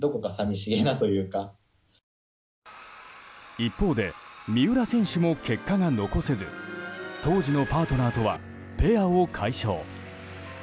一方で三浦選手も結果が残せず当時のパートナーとはペアを解消。